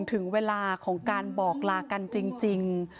ถึงเวลาของการบอกลากันจริง